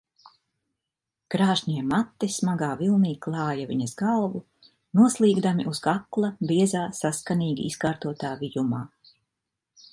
Krāšņie mati smagā vilnī klāja viņas galvu, noslīgdami uz kakla biezā, saskanīgi izkārtotā vijumā.